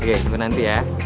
oke simpen nanti ya